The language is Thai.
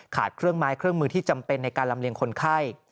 เครื่องไม้เครื่องมือที่จำเป็นในการลำเลียงคนไข้